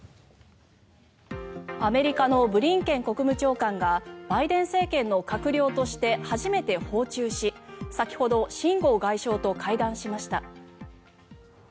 アメリカのブリンケン国務長官がバイデン政権の閣僚として初めて訪中し先ほど秦剛外相と会談しました。